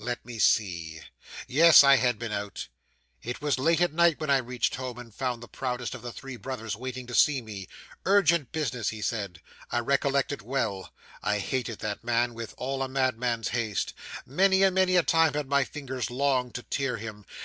'Let me see: yes, I had been out. It was late at night when I reached home, and found the proudest of the three proud brothers waiting to see me urgent business he said: I recollect it well. I hated that man with all a madman's hate. Many and many a time had my fingers longed to tear him.